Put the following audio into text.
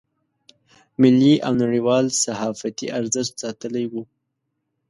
ملي او نړیوال صحافتي ارزښت ساتلی و.